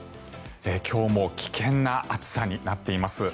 今日も危険な暑さになっています。